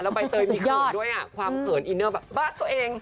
ใบเตยมีเขินด้วยความเขินอินเนอร์แบบบ้านตัวเอง